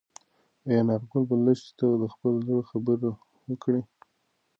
ایا انارګل به لښتې ته د خپل زړه خبره وکړي؟